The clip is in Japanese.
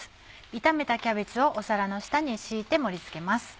炒めたキャベツを皿の下に敷いて盛り付けます。